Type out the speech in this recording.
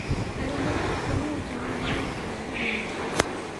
Aliendelea kupanua utawala wake na hadi mwisho